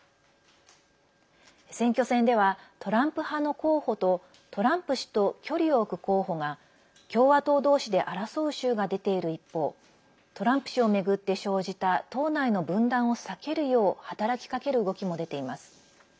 選挙戦ではトランプ派の候補とトランプ氏と距離を置く候補が共和党同士で争う州が出ている一方トランプ氏を巡って生じた党内の分断を避けるよう働きかける動きも出ています。